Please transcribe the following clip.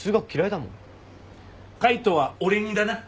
海斗は俺似だな。